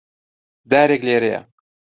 دارێک لێرەیە.